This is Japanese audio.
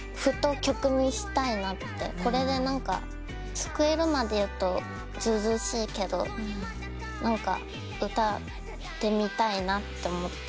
「これで救える」まで言うとずうずうしいけど歌ってみたいなと思って作曲もしました。